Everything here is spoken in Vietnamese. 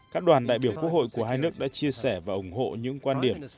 các đoàn đại biểu quốc hội của hai nước đã chia sẻ và ủng hộ những quan điểm